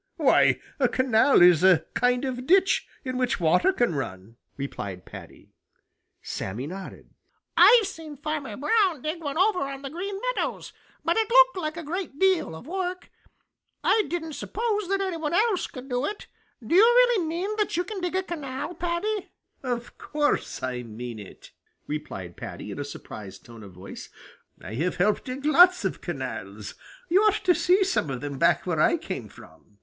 Why, a canal is a kind of ditch in which water can run," replied Paddy. Sammy nodded. "I've seen Farmer Brown dig one over on the Green Meadows, but it looked like a great deal of work. I didn't suppose that any one else could do it. Do you really mean that you can dig a canal, Paddy?" "Of course I mean it," replied Paddy, in a surprised tone of voice. "I have helped dig lots of canals. You ought to see some of them back where I came from."